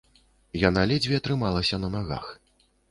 Яна ледзьве трымалася на нагах.